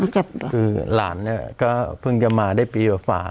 คือหลานเนี่ยก็เพิ่งจะมาได้ปีกว่า